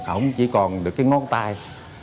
ổng chỉ còn được cái ngón tay